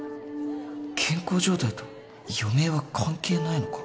健康状態と余命は関係ないのか？